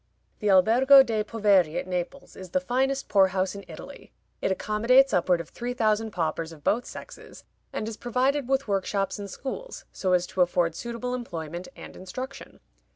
The Albergo dei Poveri at Naples is the finest poor house in Italy. It accommodates upward of three thousand paupers of both sexes, and is provided with workshops and schools, so as to afford suitable employment and instruction.